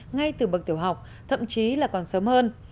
ngay từ bậc tiểu học thậm chí là còn sớm hơn